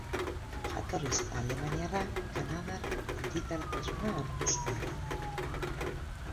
Jatorriz alemaniarra, kanadar hiritartasuna hartu zuen.